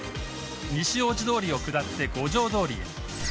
西大路通を下って五条通へ。